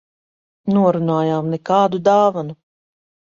Norunājām - nekādu dāvanu.